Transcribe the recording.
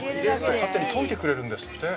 ◆勝手に研いでくれるんですって。